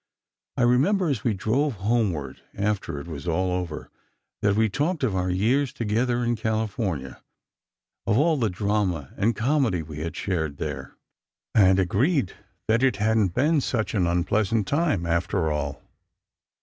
I remember as we drove homeward after it was all over, that we talked of our years together in California, of all the drama and comedy we had shared there, and agreed that it hadn't been such an unpleasant time after all.